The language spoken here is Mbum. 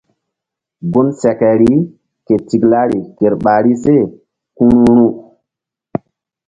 Gun sekeri ke tiklari ker ɓahri se ku ru̧ru̧.